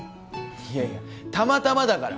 いやいやたまたまだから。